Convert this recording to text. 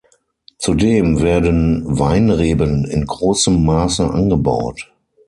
Zudem werden Weinreben in großem Maße angebaut.